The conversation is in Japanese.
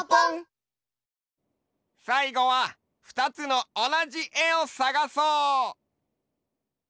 さいごはふたつのおなじえをさがそう！